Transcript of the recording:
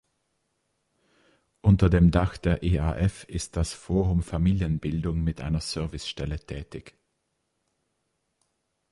Unter dem Dach der eaf ist das "Forum Familienbildung" mit einer Servicestelle tätig.